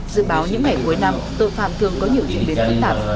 dự báo những ngày cuối năm tội phạm thường có nhiều diễn biến phức tạp